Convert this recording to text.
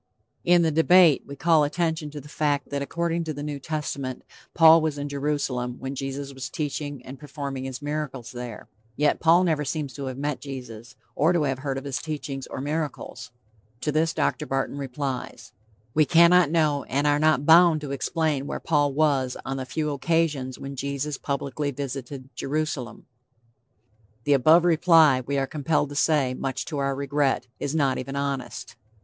In The Debate we call attention to the fact that according to the New Testament, Paul was in Jerusalem when Jesus was teaching and performing his miracles there. Yet Paul never seems to have met Jesus, or to have heard of his teachings or miracles. To this Dr. Barton replies: "We cannot know and are not bound to explain where Paul was on the few occasions when Jesus publicly visited Jerusalem." The above reply, we are compelled to say, much to our regret, is not even honest.